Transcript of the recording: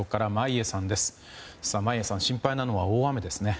眞家さん心配なのは大雨ですね。